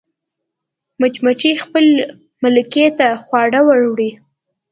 مچمچۍ خپل ملکې ته خواړه وړي